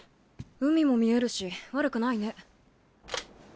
海も見えるし悪くないね。